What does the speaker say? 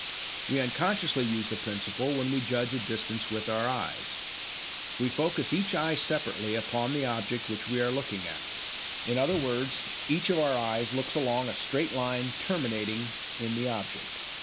We unconsciously use the principle when we judge a distance with our eyes. We focus each eye separately upon the object which we are looking at. In other words, each of our eyes looks along a straight line terminating in the object.